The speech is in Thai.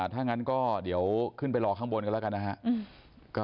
ถ้างั้นก็เดี๋ยวขึ้นไปรอข้างบนกันแล้วกันนะครับ